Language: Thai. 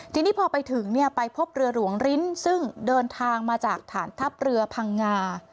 ทีนี้พอไปถึงเนี่ยไปพบเรือหลวงริ้นซึ่งเดินทางมาจากฐานทัพเรือพังงา